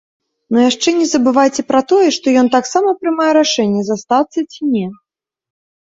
Ну яшчэ не забывайце пра тое, што ён таксама прымае рашэнне застацца ці не.